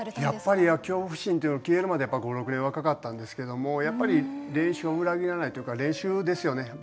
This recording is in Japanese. やっぱり恐怖心っていうのは消えるまで５６年はかかったんですけどもやっぱり練習は裏切らないっていうか練習ですよね。